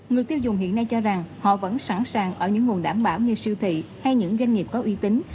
người tiêu dùng hiện nay cho rằng họ vẫn sẵn sàng ở những nguồn đảm bảo như siêu thị hay những doanh nghiệp có uy tín